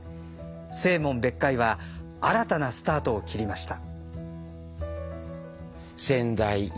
清門別会は新たなスタートを切りました。